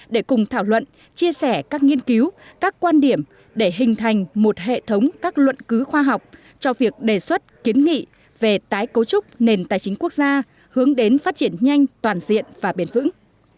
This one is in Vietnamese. để cùng thảo luận chia sẻ các nghiên cứu các quan điểm để hình thành một hệ thống các luận cứu khoa học cho việc đề xuất kiến nghị về tái cấu trúc nền tài chính quốc gia hướng đến phát triển nhanh toàn diện và bền vững